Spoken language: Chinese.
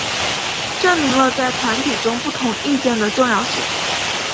证明了在团体中不同意见的重要性。